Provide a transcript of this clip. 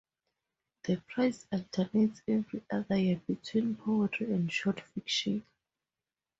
The prize alternates every other year between poetry and short fiction.